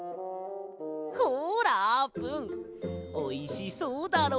ほらあーぷんおいしそうだろ？